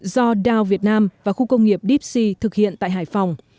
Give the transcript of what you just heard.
do dow việt nam và khu công nghiệp deepsea thực hiện tại hải phòng